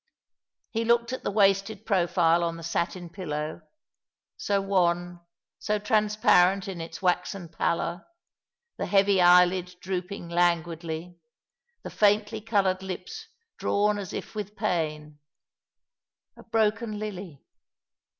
He looked at the wasted profile on the satin pillow, so wan, so transparent in its waxen pallor, the heavy eyelid drooping languidly, the faintly coloured lips drawn as if with pain — a broken lily.